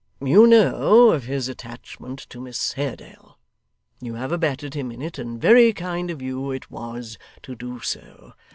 You know of his attachment to Miss Haredale. You have abetted him in it, and very kind of you it was to do so.